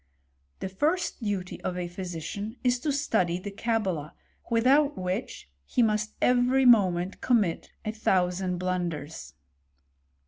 13ie first duty of a phpician is to study the Cabala, without which he must every moment commit a thou sand blunders.